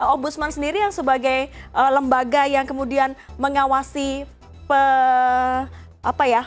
om busman sendiri yang sebagai lembaga yang kemudian mengawasi distribusi daripada pemerintah